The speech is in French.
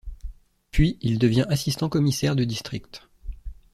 Puis il devient assistant commissaire de district.